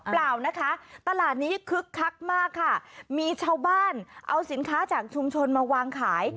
เปล่านะคะตลาดนี้คึกคักมากค่ะมีชาวบ้านเอาสินค้าจากชุมชนมาวางขาย